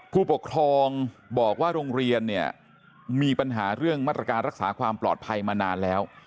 ผู้ปกครองบอกว่าโรงเรียนเนี่ยมีปัญหาเรื่องมาตรการรักษาความปลอดภัยมานานแล้ว